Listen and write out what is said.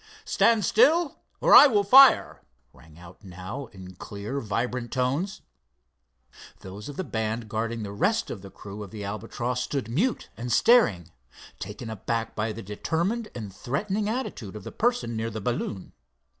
"Stand still or I will fire," rang out now in clear, vibrant tones. Those of the band guarding the rest of the crew of the Albatross stood mute and staring, taken aback by the determined and threatening attitude of the person near the balloon.